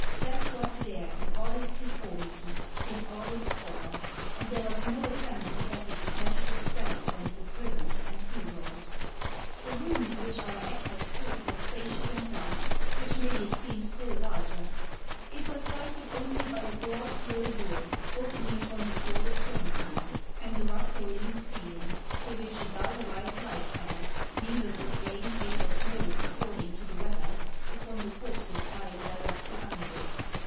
I )eath was there in all its deformity, iu all its horror; and there was no attempt to deck its ileshless skeleton with ribbons and gewgaws. The room in which our actors stood was spacious and dark, which made it seem still larger ; it was lighted only by a broad, low door opening upon the port of Throiidhjem, and a rough hole in the ceiling, through which a dull, white light fell, mingled with rain, hail, or snow, according to the weather, upon the corpses lying directly under it.